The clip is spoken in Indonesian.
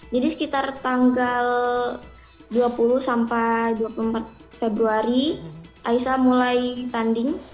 jadi sekitar tanggal dua puluh sampai dua puluh empat februari aisyah mulai tanding